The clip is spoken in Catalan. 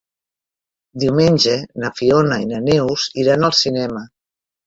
Diumenge na Fiona i na Neus iran al cinema.